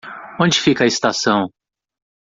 Onde fica a estação?